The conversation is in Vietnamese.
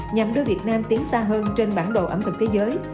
nhằm đưa việt nam tiến xa hơn trên bản đồ ẩm thực thế giới